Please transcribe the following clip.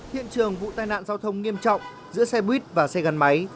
hiện trường vụ tai nạn giao thông nghiêm trọng giữa xe buýt và xe gắn máy